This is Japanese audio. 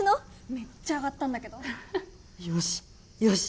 めっちゃ上がったんだけどよしよし！